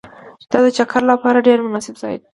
دا د چکر لپاره ډېر مناسب ځای دی